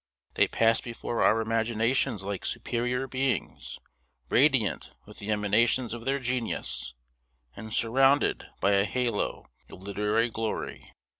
They pass before our imaginations like superior beings, radiant with the emanations of their genius, and surrounded by a halo of literary glory.